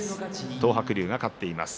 東白龍が勝っています。